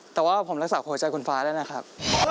แต่ว่าผมรักษาหัวใจคุณฟ้าได้นะครับ